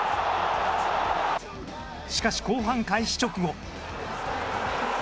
しかし、後半開始直後。